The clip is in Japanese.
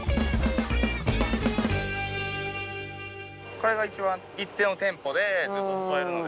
これが一番一定のテンポでちゃんと誘えるので。